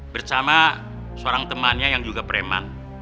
bersama seorang temannya yang juga preman